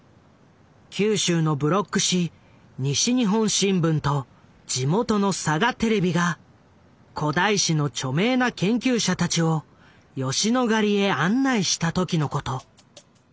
九州のブロック紙・西日本新聞と地元のサガテレビが古代史の著名な研究者たちを吉野ヶ里へ案内した時のこと。